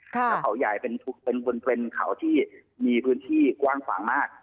เขาใหญ่เป็นบนเป็นเขาที่มีพื้นที่กว้างฝังมาก